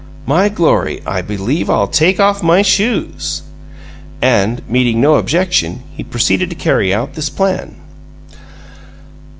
"My Glory! I believe I'll take off my shoes!" And, meeting no objection, he proceeded to carry out this plan.